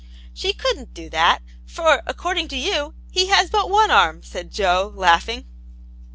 "She couldn't do that; for, according to you, he has but one arm," said Jo, laughing.